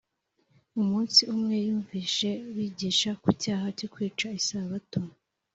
Umunsi umwe yumvise bigisha ku cyaha cyo kwica isabato